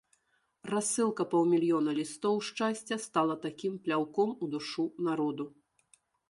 Рассылка паўмільёна лістоў шчасця стала такім пляўком у душу народу.